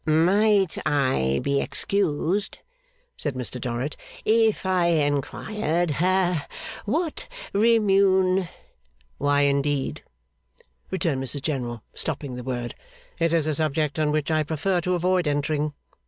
'Might I be excused,' said Mr Dorrit, 'if I inquired ha what remune ' 'Why, indeed,' returned Mrs General, stopping the word, 'it is a subject on which I prefer to avoid entering.